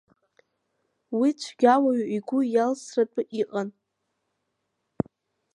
Уи цәгьа уаҩы игәы иалсратәы иҟан.